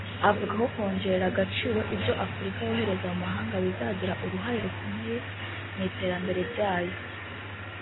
avuga ko kongerera agaciro ibyo Afurika yohereza mu mahanga bizagira uruhare rukomeye mu iterambere ryayo